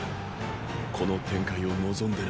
この展開を望んでな。